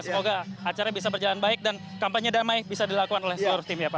semoga acara bisa berjalan baik dan kampanye damai bisa dilakukan oleh seluruh tim ya pak